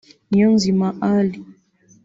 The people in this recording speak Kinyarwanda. Niyonzima Ally